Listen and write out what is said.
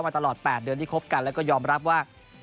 ตลอด๘เดือนที่คบกันแล้วก็ยอมรับว่า